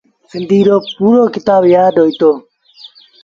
سنڌيٚ رو پورو ڪتآب يآدهوئيٚتو۔